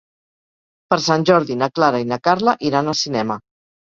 Per Sant Jordi na Clara i na Carla iran al cinema.